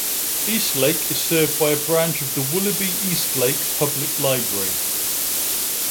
Eastlake is served by a branch of the Willoughby-Eastlake Public Library.